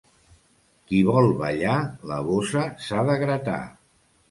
Qui vol ballar, la bossa s'ha de gratar.